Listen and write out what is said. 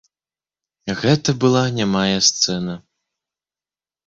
Гэта была нямая сцэна.